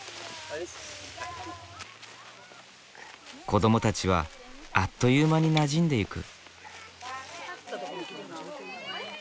子どもたちはあっという間になじんでいく。